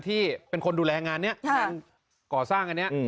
ที่เป็นคนดูแลงานนี้งานก่อสร้างอันนี้